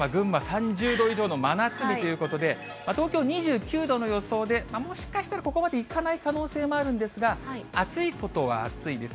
さいたま、群馬、３０度以上の真夏日ということで、東京２９度の予想で、もしかしたら、ここまでいかない可能性もあるんですが、暑いことは暑いです。